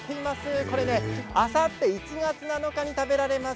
あさって１月７日に食べられます